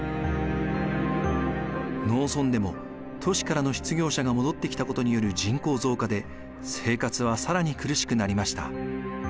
農村でも都市からの失業者が戻ってきたことによる人口増加で生活は更に苦しくなりました。